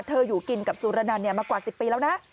อยู่กินกับสุรนันมากว่า๑๐ปีแล้วนะ